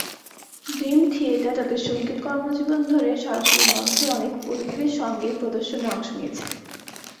Dream Theater তাদের সঙ্গীত কর্মজীবন ধরে, সরাসরি মঞ্চে অনেক অতিথিদের সঙ্গেই প্রদর্শনে অংশ নিয়েছেন।